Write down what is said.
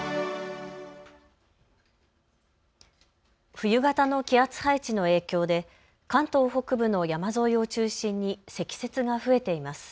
冬型の気圧配置の影響で関東北部の山沿いを中心に積雪が増えています。